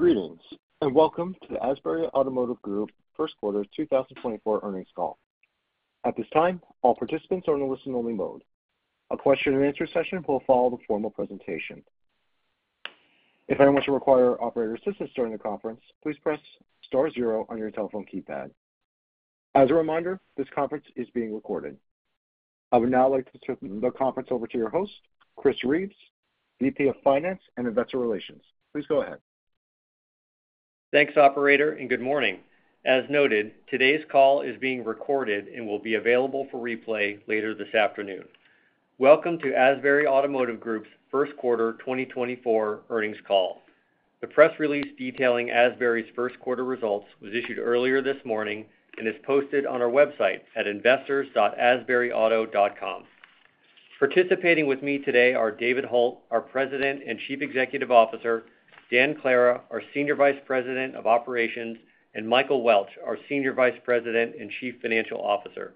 Greetings and welcome to the Asbury Automotive Group 1st Quarter 2024 Earnings Call. At this time, all participants are in a listen-only mode. A question-and-answer session will follow the formal presentation. If anyone should require operator assistance during the conference, please press star zero on your telephone keypad. As a reminder, this conference is being recorded. I would now like to turn the conference over to your host, Chris Reeves, Vice President of Finance and Investor Relations. Please go ahead. Thanks, operator, and good morning. As noted, today's call is being recorded and will be available for replay later this afternoon. Welcome to Asbury Automotive Group's 1st Quarter 2024 Earnings Call. The press release detailing Asbury's 1st quarter results was issued earlier this morning and is posted on our website at investors.asburyauto.com. Participating with me today are David Hult, our President and Chief Executive Officer, Dan Clara, our Senior Vice President of Operations, and Michael Welch, our Senior Vice President and Chief Financial Officer.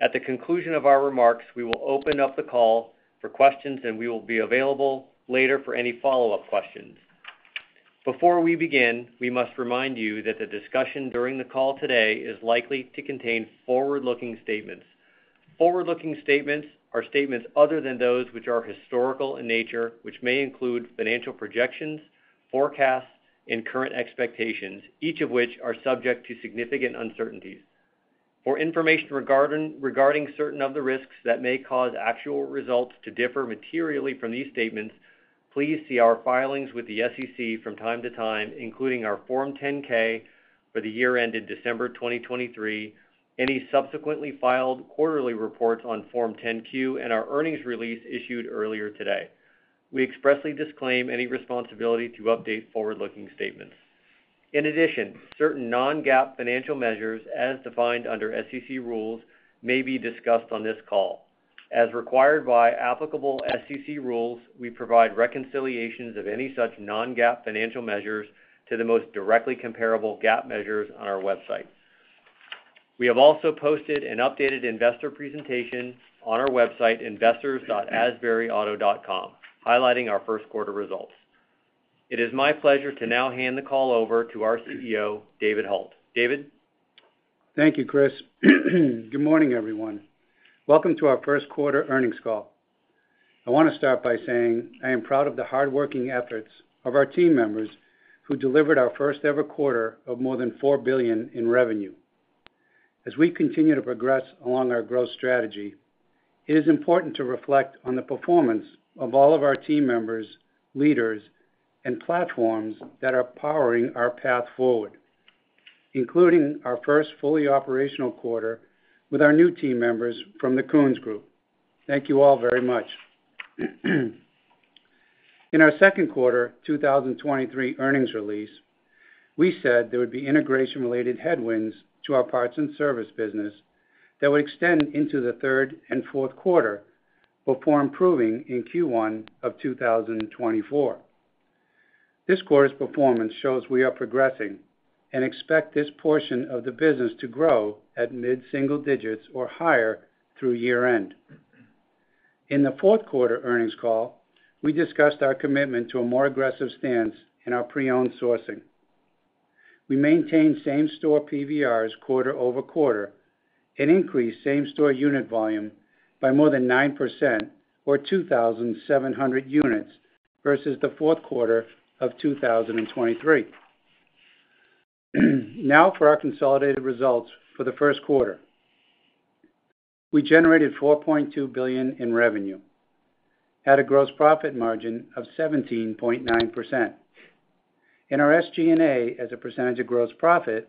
At the conclusion of our remarks, we will open up the call for questions and we will be available later for any follow-up questions. Before we begin, we must remind you that the discussion during the call today is likely to contain forward-looking statements. Forward-looking statements are statements other than those which are historical in nature, which may include financial projections, forecasts, and current expectations, each of which are subject to significant uncertainties. For information regarding certain of the risks that may cause actual results to differ materially from these statements, please see our filings with the SEC from time to time, including our Form 10-K for the year ended December 2023, any subsequently filed quarterly reports on Form 10-Q, and our earnings release issued earlier today. We expressly disclaim any responsibility to update forward-looking statements. In addition, certain Non-GAAP financial measures, as defined under SEC rules, may be discussed on this call. As required by applicable SEC rules, we provide reconciliations of any such Non-GAAP financial measures to the most directly comparable GAAP measures on our website. We have also posted an updated investor presentation on our website, investors.asburyauto.com, highlighting our 1st quarter results. It is my pleasure to now hand the call over to our Chief Executive Officer, David Hult. David? Thank you, Chris. Good morning, everyone. Welcome to our 1st quarter earnings call. I want to start by saying I am proud of the hardworking efforts of our team members who delivered our 1st-ever quarter of more than $4 billion in revenue. As we continue to progress along our growth strategy, it is important to reflect on the performance of all of our team members, leaders, and platforms that are powering our path forward, including our first fully operational quarter with our new team members from the Koons Group. Thank you all very much. In our 2nd quarter 2023 earnings release, we said there would be integration-related headwinds to our parts and service business that would extend into the 3rd quarter and 4th quarter before improving in Q1 of 2024. This quarter's performance shows we are progressing and expect this portion of the business to grow at mid-single digits or higher through year-end. In the 4th quarter earnings call, we discussed our commitment to a more aggressive stance in our pre-owned sourcing. We maintained same-store PVRs quarter-over-quarter and increased same-store unit volume by more than 9% or 2,700 units versus the 4th quarter of 2023. Now for our consolidated results for the 1st quarter. We generated $4.2 billion in revenue, had a gross profit margin of 17.9%. Our SG&A, as a percentage of gross profit,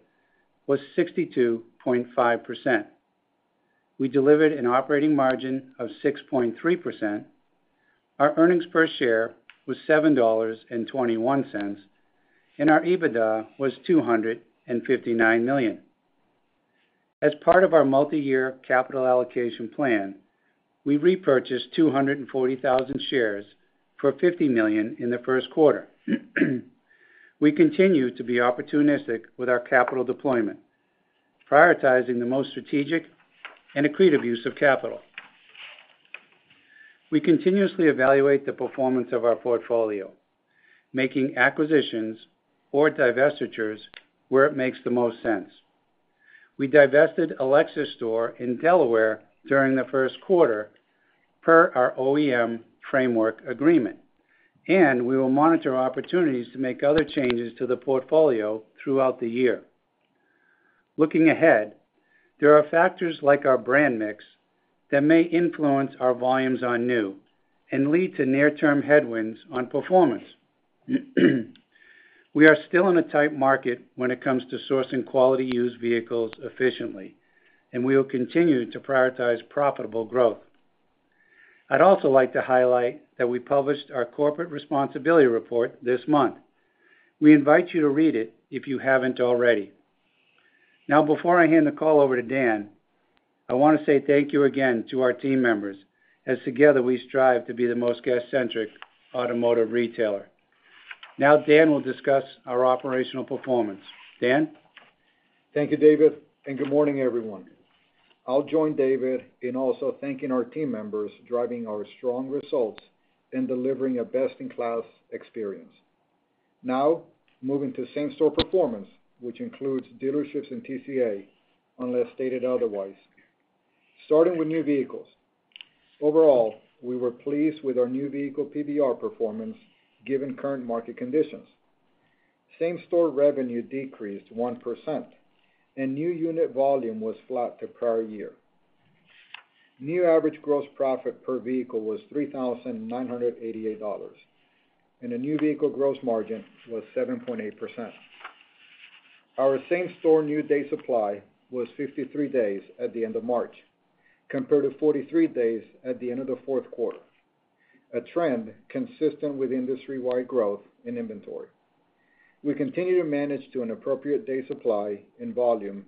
was 62.5%. We delivered an operating margin of 6.3%. Our earnings per share was $7.21, and our EBITDA was $259 million. As part of our multi-year capital allocation plan, we repurchased 240,000 shares for $50 million in the 1st quarter. We continue to be opportunistic with our capital deployment, prioritizing the most strategic and accretive use of capital. We continuously evaluate the performance of our portfolio, making acquisitions or divestitures where it makes the most sense. We divested Lexus store in Delaware during the 1st quarter per our OEM framework agreement, and we will monitor opportunities to make other changes to the portfolio throughout the year. Looking ahead, there are factors like our brand mix that may influence our volumes on new and lead to near-term headwinds on performance. We are still in a tight market when it comes to sourcing quality used vehicles efficiently, and we will continue to prioritize profitable growth. I'd also like to highlight that we published our corporate responsibility report this month. We invite you to read it if you haven't already. Now, before I hand the call over to Dan, I want to say thank you again to our team members, as together we strive to be the most guest-centric automotive retailer. Now Dan will discuss our operational performance. Dan? Thank you, David, and good morning, everyone. I'll join David in also thanking our team members driving our strong results and delivering a best-in-class experience. Now moving to same-store performance, which includes dealerships and TCA, unless stated otherwise. Starting with new vehicles. Overall, we were pleased with our new vehicle PVR performance given current market conditions. Same-store revenue decreased 1%, and new unit volume was flat to prior year. New average gross profit per vehicle was $3,988, and the new vehicle gross margin was 7.8%. Our same-store new day supply was 53 days at the end of March, compared to 43 days at the end of the 4th quarter, a trend consistent with industry-wide growth in inventory. We continue to manage to an appropriate day supply and volume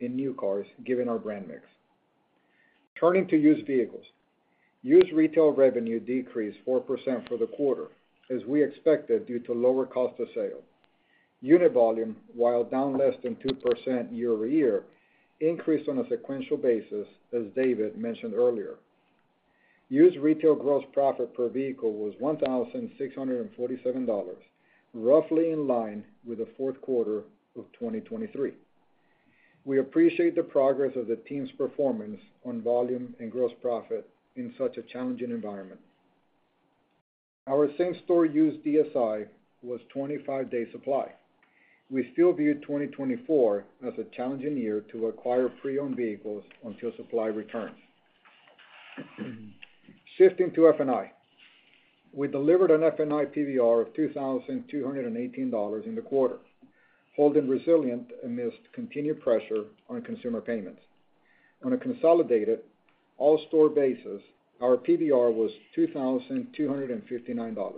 in new cars given our brand mix. Turning to used vehicles. Used retail revenue decreased 4% for the quarter, as we expected due to lower cost of sale. Unit volume, while down less than 2% year-over-year, increased on a sequential basis, as David mentioned earlier. Used retail gross profit per vehicle was $1,647, roughly in line with the 4th quarter of 2023. We appreciate the progress of the team's performance on volume and gross profit in such a challenging environment. Our same-store used DSI was 25-day supply. We still view 2024 as a challenging year to acquire pre-owned vehicles until supply returns. Shifting to F&I. We delivered an F&I PVR of $2,218 in the quarter, holding resilient amidst continued pressure on consumer payments. On a consolidated all-store basis, our PVR was $2,259.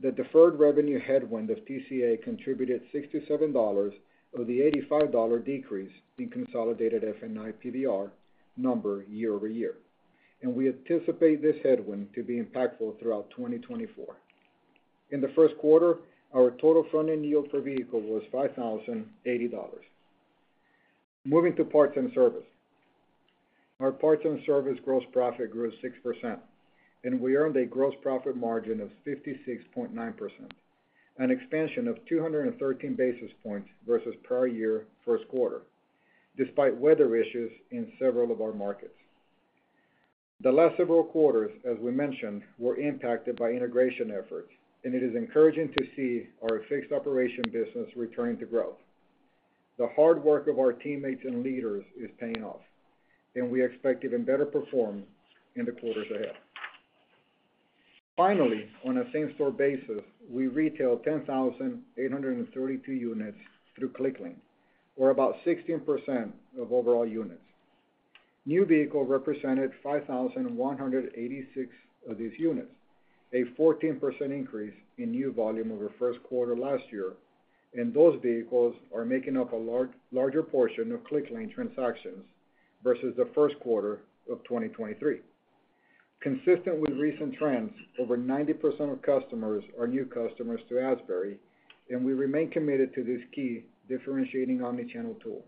The deferred revenue headwind of TCA contributed $67 of the $85 decrease in consolidated F&I PVR number year-over-year, and we anticipate this headwind to be impactful throughout 2024. In the 1st quarter, our total front-end yield per vehicle was $5,080. Moving to parts and service. Our parts and service gross profit grew 6%, and we earned a gross profit margin of 56.9%, an expansion of 213 basis points versus prior year 1st quarter, despite weather issues in several of our markets. The last several quarters, as we mentioned, were impacted by integration efforts, and it is encouraging to see our fixed operation business returning to growth. The hard work of our teammates and leaders is paying off, and we expect even better performance in the quarters ahead. Finally, on a same-store basis, we retailed 10,832 units through ClickLane, or about 16% of overall units. New vehicles represented 5,186 of these units, a 14% increase in new volume over 1st quarter last year, and those vehicles are making up a larger portion of ClickLane transactions versus the 1st quarter of 2023. Consistent with recent trends, over 90% of customers are new customers to Asbury, and we remain committed to this key differentiating omnichannel tool.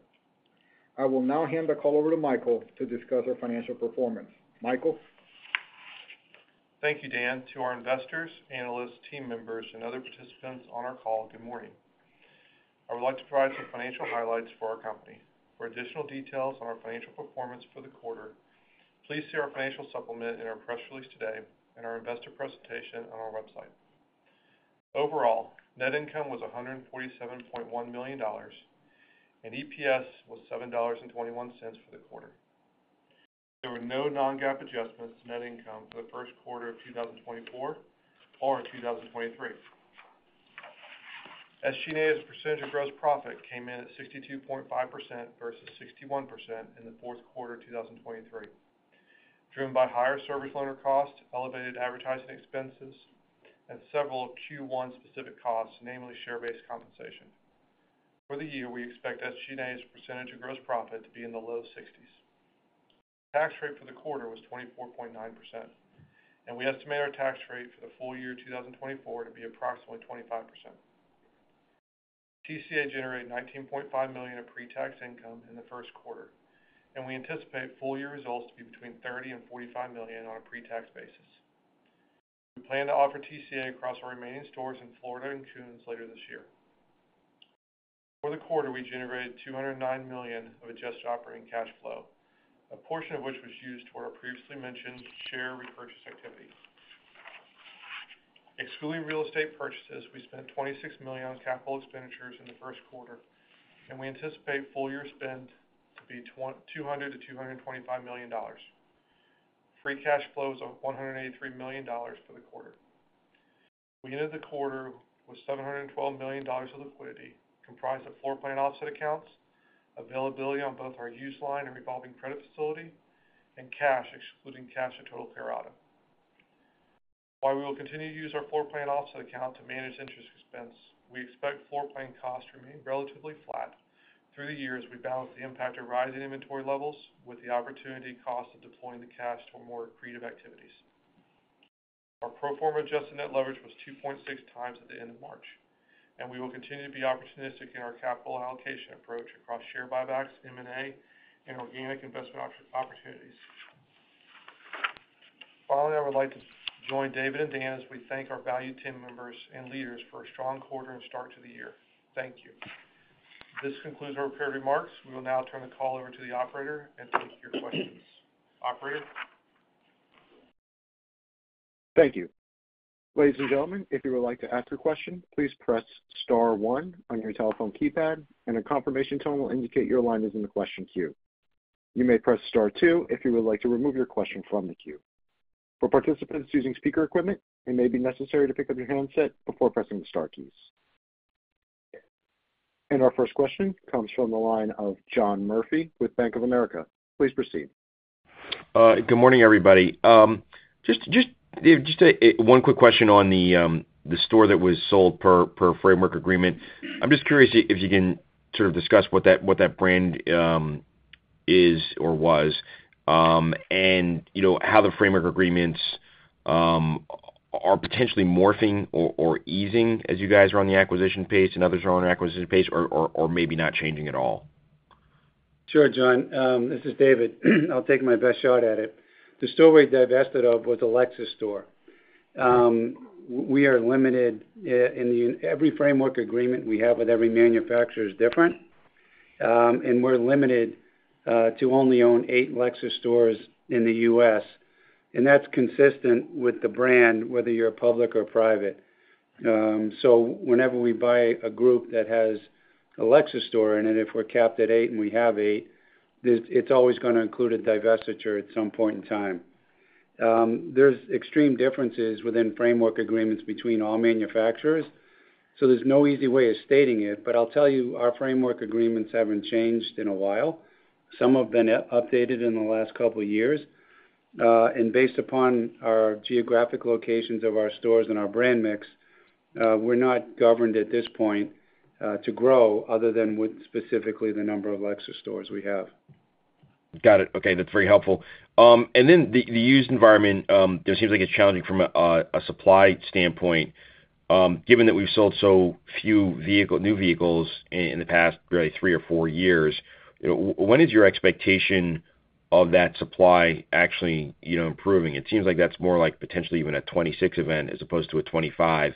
I will now hand the call over to Michael to discuss our financial performance. Michael? Thank you, Dan. To our investors, analysts, team members, and other participants on our call, good morning. I would like to provide some financial highlights for our company. For additional details on our financial performance for the quarter, please see our financial supplement in our press release today and our investor presentation on our website. Overall, net income was $147.1 million, and EPS was $7.21 for the quarter. There were no non-GAAP adjustments to net income for the 1st quarter of 2024 or 2023. SG&A's percentage of gross profit came in at 62.5% versus 61% in the 4th quarter of 2023, driven by higher service loaner costs, elevated advertising expenses, and several Q1 specific costs, namely share-based compensation. For the year, we expect SG&A's percentage of gross profit to be in the low 60s. Tax rate for the quarter was 24.9%, and we estimate our tax rate for the full year 2024 to be approximately 25%. TCA generated $19.5 million of pre-tax income in the 1st quarter, and we anticipate full-year results to be between $30 million and $45 million on a pre-tax basis. We plan to offer TCA across our remaining stores in Florida and Koons later this year. For the quarter, we generated $209 million of adjusted operating cash flow, a portion of which was used toward our previously mentioned share repurchase activity. Excluding real estate purchases, we spent $26 million on capital expenditures in the 1st quarter, and we anticipate full-year spend to be $200 million-$225 million. Free cash flow was $183 million for the quarter. We ended the quarter with $712 million of liquidity comprised of floor plan offset accounts, availability on both our used line and revolving credit facility, and cash excluding cash at Total Care Auto. While we will continue to use our floor plan offset account to manage interest expense, we expect floor plan costs to remain relatively flat through the years as we balance the impact of rising inventory levels with the opportunity cost of deploying the cash toward more accretive activities. Our pro forma adjusted net leverage was 2.6x at the end of March, and we will continue to be opportunistic in our capital allocation approach across share buybacks, M&A, and organic investment opportunities. Finally, I would like to join David and Dan as we thank our valued team members and leaders for a strong quarter and start to the year. Thank you. This concludes our prepared remarks. We will now turn the call over to the operator and take your questions. Operator? Thank you. Ladies and gentlemen, if you would like to ask a question, please press star one on your telephone keypad, and a confirmation tone will indicate your line is in the question queue. You may press star two if you would like to remove your question from the queue. For participants using speaker equipment, it may be necessary to pick up your handset before pressing the star keys. Our first question comes from the line of John Murphy with Bank of America. Please proceed. Good morning, everybody. Just one quick question on the store that was sold per framework agreement. I'm just curious if you can sort of discuss what that brand is or was and how the framework agreements are potentially morphing or easing as you guys are on the acquisition pace and others are on the acquisition pace or maybe not changing at all? Sure, John. This is David. I'll take my best shot at it. The store we divested of was Lexus store. We are limited in the every framework agreement we have with every manufacturer is different, and we're limited to only own eight Lexus stores in the U.S., and that's consistent with the brand, whether you're public or private. So whenever we buy a group that has a Lexus store in it, if we're capped at eight and we have eight, it's always going to include a divestiture at some point in time. There's extreme differences within framework agreements between all manufacturers, so there's no easy way of stating it. But I'll tell you, our framework agreements haven't changed in a while. Some have been updated in the last couple of years. Based upon our geographic locations of our stores and our brand mix, we're not governed at this point to grow other than with specifically the number of Lexus stores we have. Got it. Okay. That's very helpful. And then the used environment, it seems like it's challenging from a supply standpoint. Given that we've sold so few new vehicles in the past, really, three or four years, when is your expectation of that supply actually improving? It seems like that's more like potentially even a 2026 event as opposed to a 2025.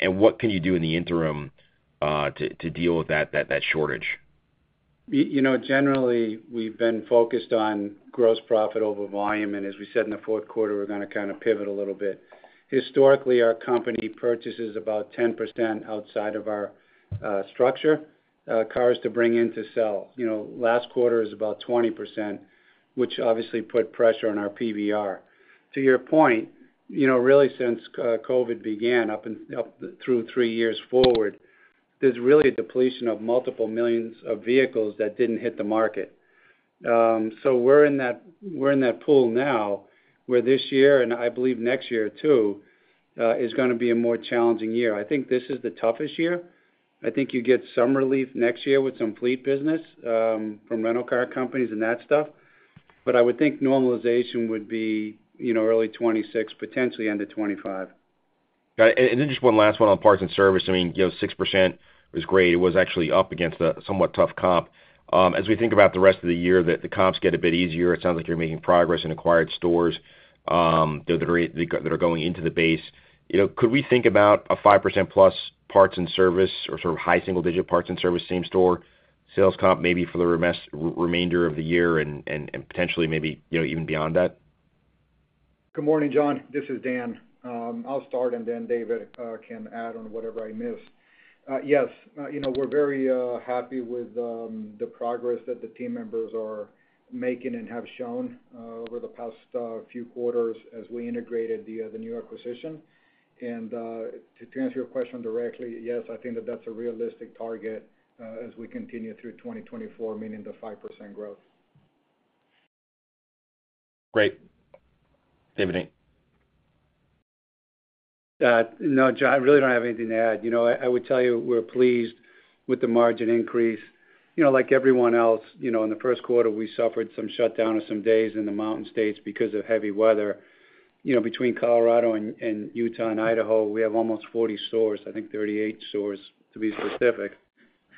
And what can you do in the interim to deal with that shortage? Generally, we've been focused on gross profit over volume, and as we said in the 4th quarter, we're going to kind of pivot a little bit. Historically, our company purchases about 10% outside of our structure cars to bring in to sell. Last quarter is about 20%, which obviously put pressure on our PVR. To your point, really, since COVID began up through three years forward, there's really a depletion of multiple millions of vehicles that didn't hit the market. So we're in that pool now where this year and I believe next year too is going to be a more challenging year. I think this is the toughest year. I think you get some relief next year with some fleet business from rental car companies and that stuff, but I would think normalization would be early 2026, potentially end of 2025. Got it. And then just one last one on parts and service. I mean, 6% was great. It was actually up against a somewhat tough comp. As we think about the rest of the year, the comps get a bit easier. It sounds like you're making progress in acquired stores that are going into the base. Could we think about a 5%-plus parts and service or sort of high single-digit parts and service same-store sales comp maybe for the remainder of the year and potentially maybe even beyond that? Good morning, John. This is Dan. I'll start, and then David can add on whatever I miss. Yes, we're very happy with the progress that the team members are making and have shown over the past few quarters as we integrated the new acquisition. And to answer your question directly, yes, I think that that's a realistic target as we continue through 2024, meaning the 5% growth. Great. David any? No, John, I really don't have anything to add. I would tell you we're pleased with the margin increase. Like everyone else, in the 1st quarter, we suffered some shutdown or some days in the Mountain States because of heavy weather. Between Colorado and Utah and Idaho, we have almost 40 stores, I think 38 stores to be specific,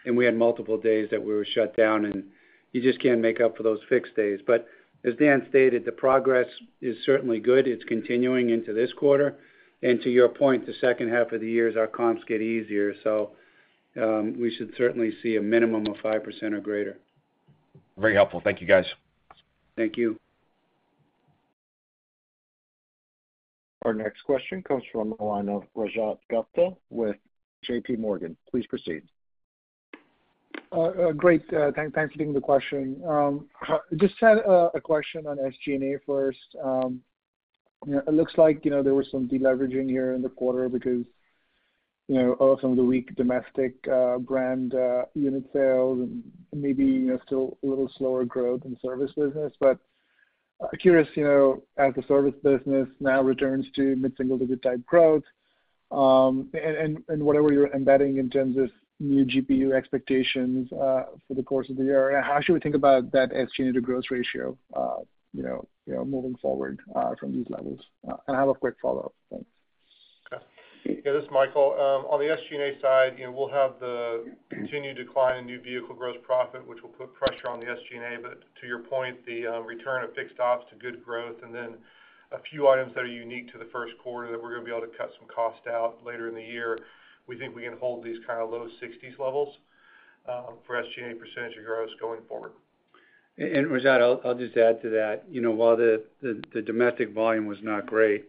and we had multiple days that we were shut down, and you just can't make up for those fixed days. But as Dan stated, the progress is certainly good. It's continuing into this quarter. And to your point, the second half of the years, our comps get easier, so we should certainly see a minimum of 5% or greater. Very helpful. Thank you, guys. Thank you. Our next question comes from the line of Rajat Gupta with J.P. Morgan. Please proceed. Great. Thanks for taking the question. Just had a question on SG&A first. It looks like there was some deleveraging here in the quarter because of some of the weak domestic brand unit sales and maybe still a little slower growth in service business. But I'm curious, as the service business now returns to mid-single-digit type growth and whatever you're embedding in terms of new GPU expectations for the course of the year, how should we think about that SG&A to growth ratio moving forward from these levels? And I have a quick follow-up. Thanks. Okay. Yeah, this is Michael. On the SG&A side, we'll have the continued decline in new vehicle gross profit, which will put pressure on the SG&A. But to your point, the return of fixed ops to good growth and then a few items that are unique to the 1st quarter that we're going to be able to cut some cost out later in the year, we think we can hold these kind of low 60s levels for SG&A percentage of growth going forward. Rajat, I'll just add to that. While the domestic volume was not great,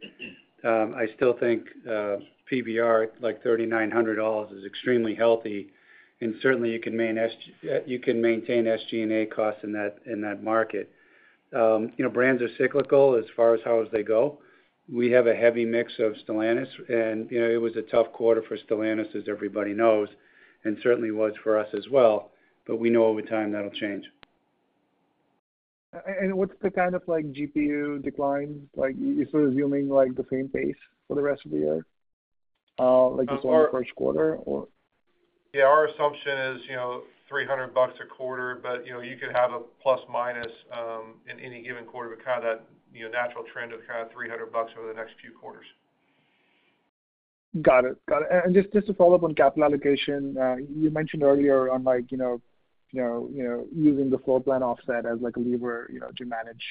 I still think PVR like $3,900 is extremely healthy, and certainly, you can maintain SG&A costs in that market. Brands are cyclical as far as how they go. We have a heavy mix of Stellantis, and it was a tough quarter for Stellantis, as everybody knows, and certainly was for us as well. But we know over time that'll change. What's the kind of GPU declines? You're sort of assuming the same pace for the rest of the year? Just on the 1st quarter, or? Yeah, our assumption is $300 a quarter, but you could have a plus-minus in any given quarter, but kind of that natural trend of kind of $300 over the next few quarters. Got it. Got it. And just to follow up on capital allocation, you mentioned earlier on using the floor plan offset as a lever to manage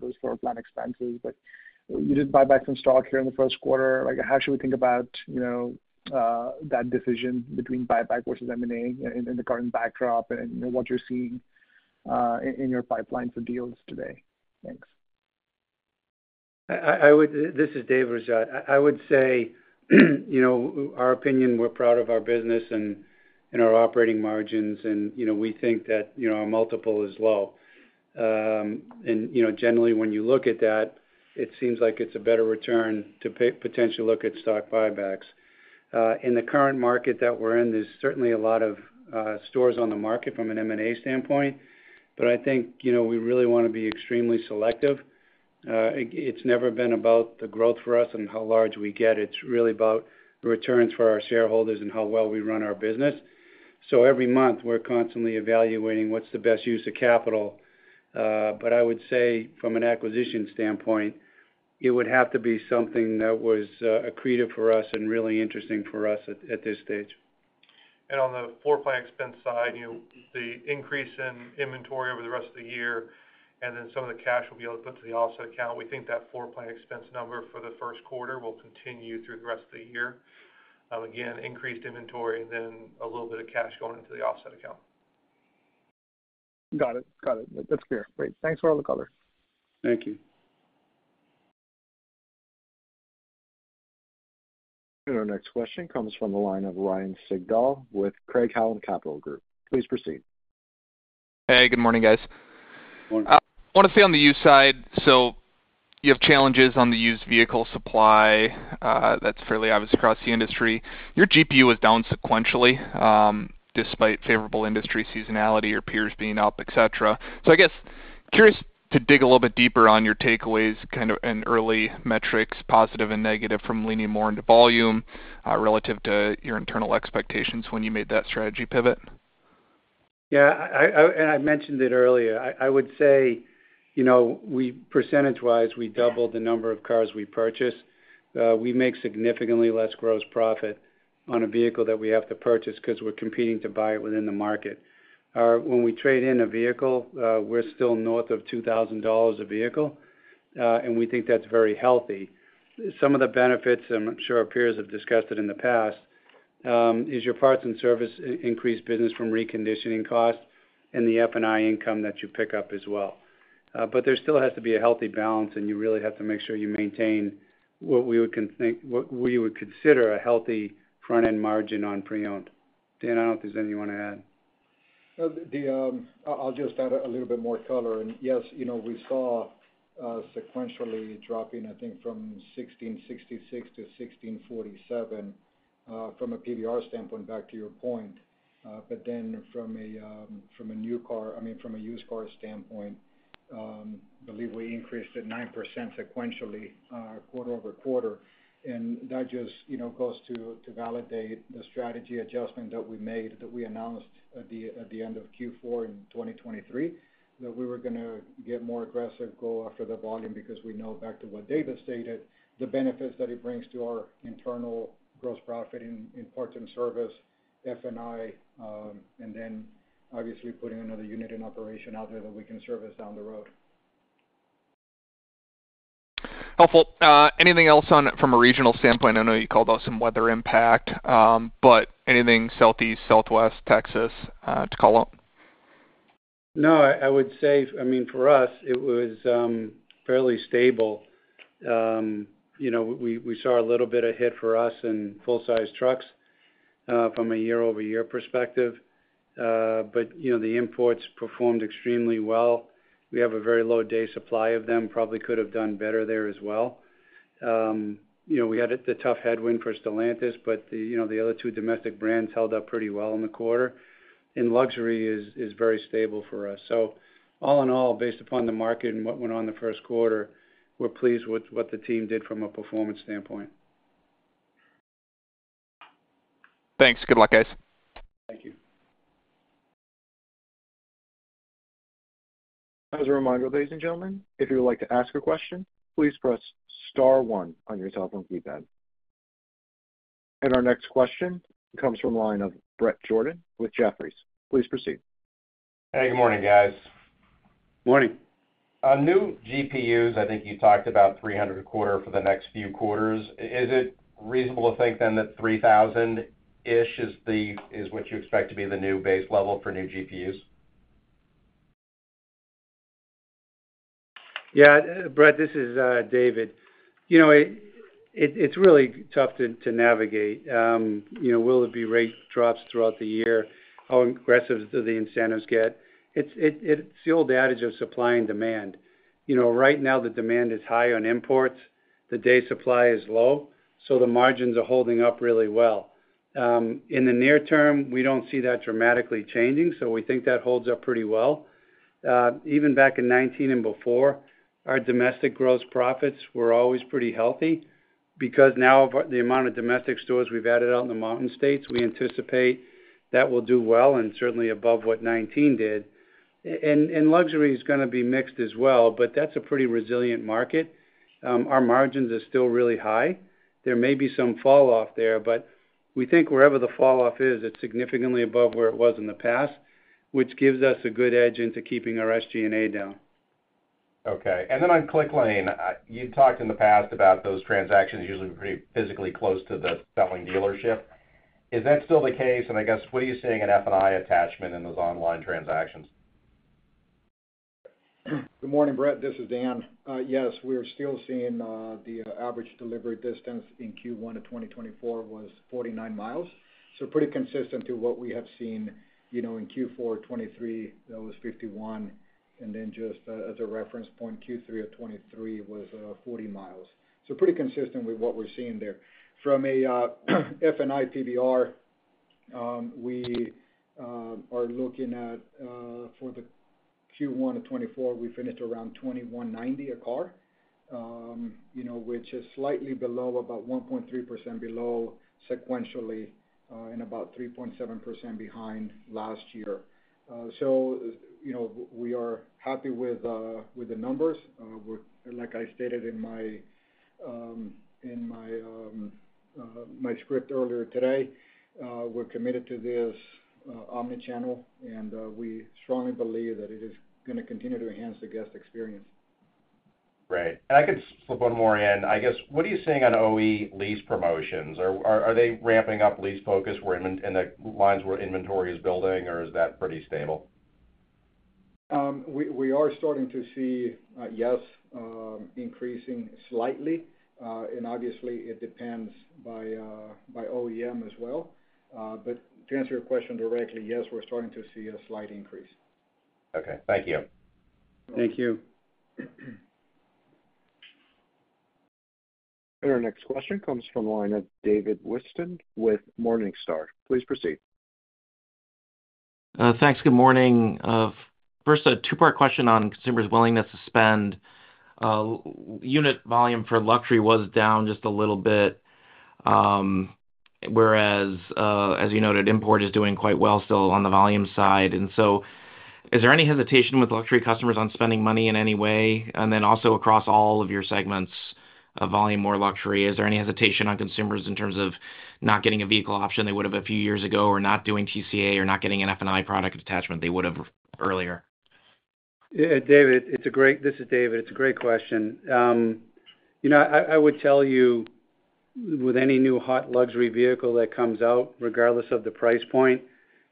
those floor plan expenses. But you did buyback some stock here in the 1st quarter. How should we think about that decision between buyback versus M&A in the current backdrop and what you're seeing in your pipeline for deals today? Thanks. This is David. Rajat, I would say our opinion, we're proud of our business and our operating margins, and we think that our multiple is low. Generally, when you look at that, it seems like it's a better return to potentially look at stock buybacks. In the current market that we're in, there's certainly a lot of stores on the market from an M&A standpoint, but I think we really want to be extremely selective. It's never been about the growth for us and how large we get. It's really about returns for our shareholders and how well we run our business. Every month, we're constantly evaluating what's the best use of capital. I would say from an acquisition standpoint, it would have to be something that was accretive for us and really interesting for us at this stage. On the floor plan expense side, the increase in inventory over the rest of the year and then some of the cash will be able to put to the offset account. We think that floor plan expense number for the 1st quarter will continue through the rest of the year. Again, increased inventory and then a little bit of cash going into the offset account. Got it. Got it. That's clear. Great. Thanks for all the color. Thank you. Our next question comes from the line of Ryan Sigdahl with Craig-Hallum Capital Group. Please proceed. Hey. Good morning, guys. I want to say, on the used side, so you have challenges on the used vehicle supply. That's fairly obvious across the industry. Your GPU was down sequentially despite favorable industry seasonality, your peers being up, etc. So I guess curious to dig a little bit deeper on your takeaways, kind of in early metrics, positive and negative from leaning more into volume relative to your internal expectations when you made that strategy pivot. Yeah. And I mentioned it earlier. I would say percentage-wise, we doubled the number of cars we purchase. We make significantly less gross profit on a vehicle that we have to purchase because we're competing to buy it within the market. When we trade in a vehicle, we're still north of $2,000 a vehicle, and we think that's very healthy. Some of the benefits, and I'm sure our peers have discussed it in the past, is your parts and service increase business from reconditioning costs and the F&I income that you pick up as well. But there still has to be a healthy balance, and you really have to make sure you maintain what we would consider a healthy front-end margin on pre-owned. Dan, I don't know if there's anything you want to add. I'll just add a little bit more color. And yes, we saw sequentially dropping, I think, from $1,666-$1,647 from a PVR standpoint, back to your point. But then from a new car I mean, from a used car standpoint, I believe we increased it 9% sequentially quarter-over-quarter. And that just goes to validate the strategy adjustment that we made that we announced at the end of Q4 in 2023, that we were going to get more aggressive, go after the volume because we know, back to what David stated, the benefits that it brings to our internal gross profit in parts and service, F&I, and then obviously putting another unit in operation out there that we can service down the road. Helpful. Anything else from a regional standpoint? I know you called out some weather impact, but anything southeast, southwest, Texas to call out? No, I would say I mean, for us, it was fairly stable. We saw a little bit of hit for us in full-size trucks from a year-over-year perspective. But the imports performed extremely well. We have a very low day supply of them. Probably could have done better there as well. We had the tough headwind for Stellantis, but the other two domestic brands held up pretty well in the quarter. And luxury is very stable for us. So all in all, based upon the market and what went on the 1st quarter, we're pleased with what the team did from a performance standpoint. Thanks. Good luck, guys. As a reminder, ladies and gentlemen, if you would like to ask a question, please press star one on your telephone keypad. Our next question comes from the line of Bret Jordan with Jefferies. Please proceed. Hey. Good morning, guys. Morning. New GPUs, I think you talked about $300 a quarter for the next few quarters. Is it reasonable to think then that $3,000-ish is what you expect to be the new base level for new GPUs? Yeah. Bret, this is David. It's really tough to navigate. Will there be rate drops throughout the year? How aggressive do the incentives get? It's the old adage of supply and demand. Right now, the demand is high on imports. The day supply is low, so the margins are holding up really well. In the near term, we don't see that dramatically changing, so we think that holds up pretty well. Even back in 2019 and before, our domestic gross profits were always pretty healthy because now of the amount of domestic stores we've added out in the mountain states, we anticipate that will do well and certainly above what 2019 did. And luxury is going to be mixed as well, but that's a pretty resilient market. Our margins are still really high. There may be some falloff there, but we think wherever the falloff is, it's significantly above where it was in the past, which gives us a good edge into keeping our SG&A down. Okay. And then on ClickLane, you've talked in the past about those transactions usually pretty physically close to the selling dealership. Is that still the case? And I guess what are you seeing in F&I attachment in those online transactions? Good morning, Brett. This is Dan. Yes, we are still seeing the average delivery distance in Q1 of 2024 was 49 miles, so pretty consistent to what we have seen in Q4 of 2023. That was 51 miles. And then just as a reference point, Q3 of 2023 was 40 miles, so pretty consistent with what we're seeing there. From a F&I PVR, we are looking at for the Q1 of 2024, we finished around $2,190 a car, which is slightly below, about 1.3% below sequentially and about 3.7% behind last year. So we are happy with the numbers. Like I stated in my script earlier today, we're committed to this omnichannel, and we strongly believe that it is going to continue to enhance the guest experience. Right. And I could slip one more in. I guess what are you seeing on OE lease promotions? Are they ramping up lease focus in the lines where inventory is building, or is that pretty stable? We are starting to see, yes, increasing slightly. Obviously, it depends by OEM as well. To answer your question directly, yes, we're starting to see a slight increase. Okay. Thank you. Thank you. And our next question comes from the line of David Whiston with Morningstar. Please proceed. Thanks. Good morning. First, a two-part question on consumers' willingness to spend. Unit volume for luxury was down just a little bit, whereas, as you noted, import is doing quite well still on the volume side. And so is there any hesitation with luxury customers on spending money in any way? And then also across all of your segments of volume or luxury, is there any hesitation on consumers in terms of not getting a vehicle option they would have a few years ago or not doing TCA or not getting an F&I product attachment they would have earlier? David, this is David. It's a great question. I would tell you, with any new hot luxury vehicle that comes out, regardless of the price point,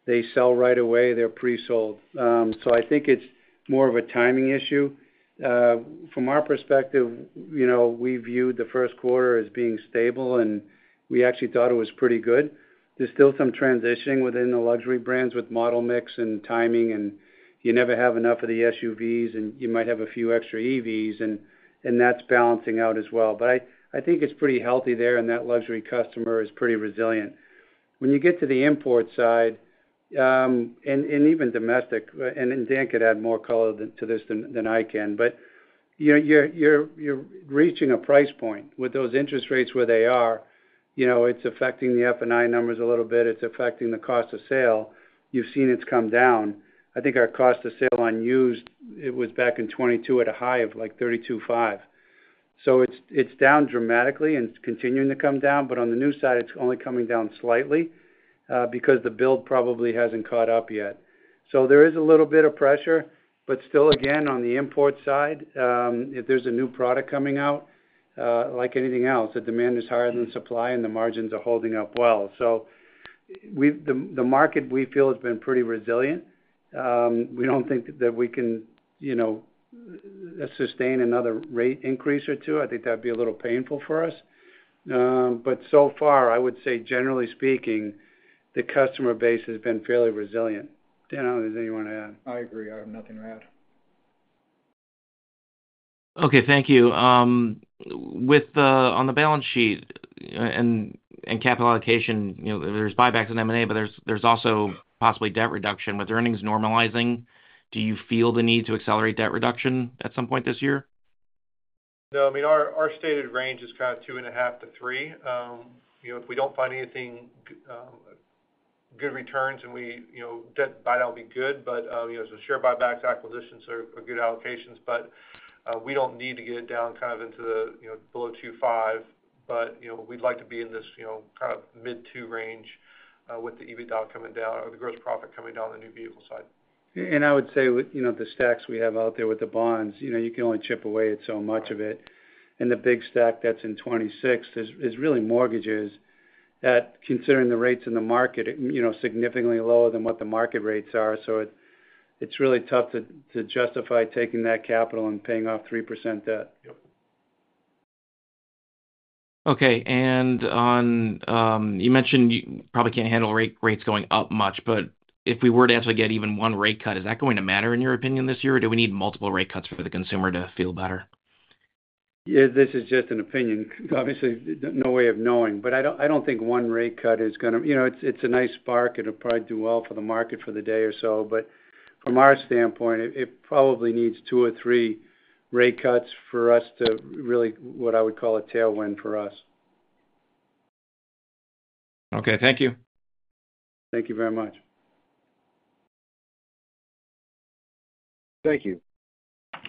they sell right away. They're pre-sold. So I think it's more of a timing issue. From our perspective, we viewed the 1st quarter as being stable, and we actually thought it was pretty good. There's still some transitioning within the luxury brands with model mix and timing, and you never have enough of the SUVs, and you might have a few extra EVs, and that's balancing out as well. But I think it's pretty healthy there, and that luxury customer is pretty resilient. When you get to the import side and even domestic and Dan could add more color to this than I can. But you're reaching a price point. With those interest rates where they are, it's affecting the F&I numbers a little bit. It's affecting the cost of sale. You've seen it's come down. I think our cost of sale on used, it was back in 2022 at a high of like $3,250. So it's down dramatically and continuing to come down. But on the new side, it's only coming down slightly because the build probably hasn't caught up yet. So there is a little bit of pressure. But still, again, on the import side, if there's a new product coming out, like anything else, the demand is higher than supply, and the margins are holding up well. So the market, we feel, has been pretty resilient. We don't think that we can sustain another rate increase or two. I think that'd be a little painful for us. But so far, I would say, generally speaking, the customer base has been fairly resilient. Dan, I don't know if there's anything you want to add. I agree. I have nothing to add. Okay. Thank you. On the balance sheet and capital allocation, there's buybacks in M&A, but there's also possibly debt reduction. With earnings normalizing, do you feel the need to accelerate debt reduction at some point this year? No. I mean, our stated range is kind of 2.5%-3%. If we don't find anything good returns, debt buyout will be good. But so share buybacks, acquisitions are good allocations. But we don't need to get it down kind of below 2.5%. But we'd like to be in this kind of mid-2% range with the EBITDA coming down or the gross profit coming down on the new vehicle side. I would say with the stacks we have out there with the bonds, you can only chip away at so much of it. And the big stack that's in 2026 is really mortgages that, considering the rates in the market, significantly lower than what the market rates are. So it's really tough to justify taking that capital and paying off 3% debt. Yep. Okay. And you mentioned you probably can't handle rates going up much. But if we were to actually get even one rate cut, is that going to matter in your opinion this year, or do we need multiple rate cuts for the consumer to feel better? Yeah. This is just an opinion. Obviously, no way of knowing. But I don't think one rate cut is going to. It's a nice spark. It'll probably do well for the market for the day or so. But from our standpoint, it probably needs two or three rate cuts for us to really what I would call a tailwind for us. Okay. Thank you. Thank you very much. Thank you.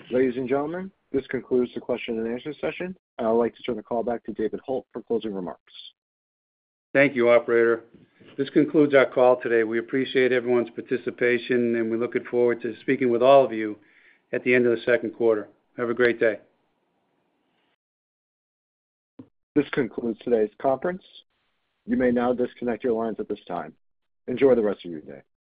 Ladies and gentlemen, this concludes the question and answer session. I'd like to turn the call back to David Hult for closing remarks. Thank you, operator. This concludes our call today. We appreciate everyone's participation, and we look forward to speaking with all of you at the end of the second quarter. Have a great day. This concludes today's conference. You may now disconnect your lines at this time. Enjoy the rest of your day.